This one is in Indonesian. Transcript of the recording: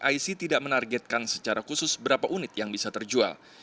ic tidak menargetkan secara khusus berapa unit yang bisa terjual